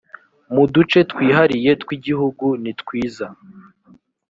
mu duce twihariye tw igihugu nitwiza